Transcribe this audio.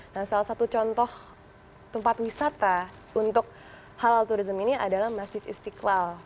nah salah satu contoh tempat wisata untuk halal turism ini adalah masjid istiqlal